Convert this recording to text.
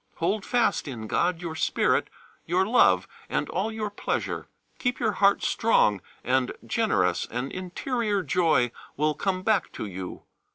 Hold fast in God your spirit, your love, and all your pleasure. Keep your heart strong and generous, and interior joy will come back to you.